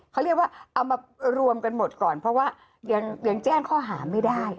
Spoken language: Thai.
เขาเรียกว่าเอามารวมกันหมดก่อนเพราะว่ายังแจ้งข้อหาไม่ได้